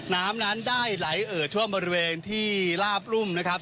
น้ำนั้นได้ไหลเอ่อทั่วบริเวณที่ลาบรุ่มนะครับ